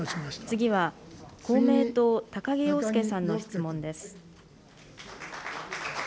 次は公明党、高木陽介さんの質問です。